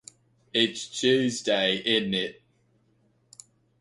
Southwell was also maid of honour to Anne of Denmark.